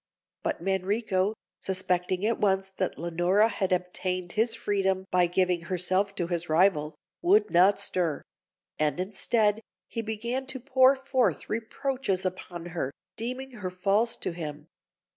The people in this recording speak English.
But Manrico, suspecting at once that Leonora had obtained his freedom by giving herself to his rival, would not stir; and instead, he began to pour forth reproaches upon her, deeming her false to him.